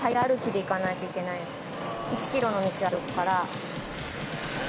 １ｋｍの道歩くから。